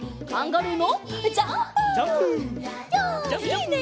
いいね！